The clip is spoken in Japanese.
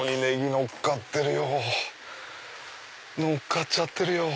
のっかっちゃってるよ！